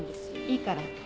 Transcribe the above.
いいから。